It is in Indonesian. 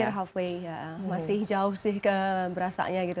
hampir half way masih jauh sih keberasanya gitu